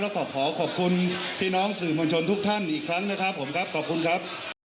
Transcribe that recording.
แล้วก็ขอขอบคุณพี่น้องสื่อมวลชนทุกท่านอีกครั้งนะครับผมครับขอบคุณครับ